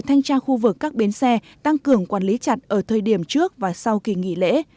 trực tại các bến xe tăng cường quản lý chặt ở thời điểm trước và sau khi nghỉ lễ